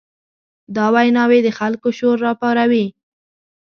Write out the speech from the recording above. دا ویناوې د خلکو شور راپاروي.